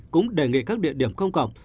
cũng đề nghị các địa điểm công cộng